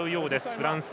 フランス。